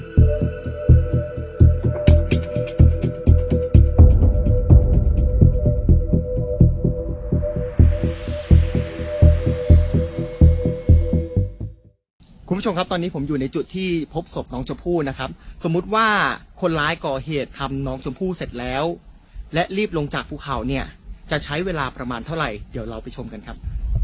คุณผู้ชมครับตอนนี้ผมอยู่ในจุดที่พบศพน้องชมพู่นะครับสมมุติว่าคนร้ายก่อเหตุทำน้องชมพู่เสร็จแล้วและรีบลงจากภูเขาเนี่ยจะใช้เวลาประมาณเท่าไหร่เดี๋ยวเราไปชมกันครับ